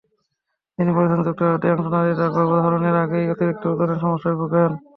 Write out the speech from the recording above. তিনি বলছেন, যুক্তরাষ্ট্রে অধিকাংশ নারীরা গর্ভধারণের আগেই অতিরিক্ত ওজনের সমস্যায় ভোগেন।